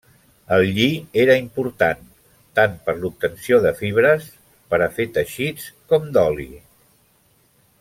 El lli era important, tant per l'obtenció de fibres per a fer teixits com d'oli.